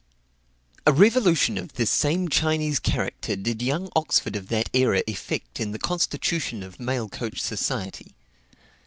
A revolution of this same Chinese character did young Oxford of that era effect in the constitution of mail coach society.